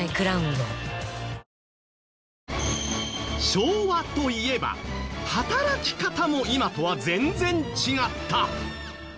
昭和といえば働き方も今とは全然違った。